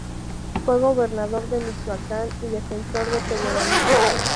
Fue gobernador de Michoacán y defensor del federalismo.